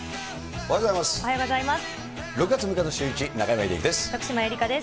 おはようございます。